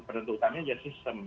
penentu utamanya jadi sistem